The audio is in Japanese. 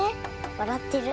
わらってる。